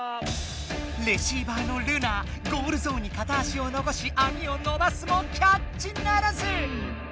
レシーバーのルナゴールゾーンにかた足をのこしあみをのばすもキャッチならず！